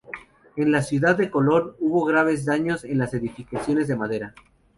En la ciudad de Colón hubo graves daños en las edificaciones de madera.